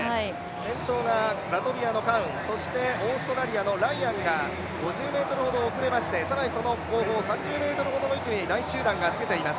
先頭がラトビアのカウン、２位はライアンが５０ｍほど遅れまして、後方、３０ｍほどの位置に第１集団がつけています。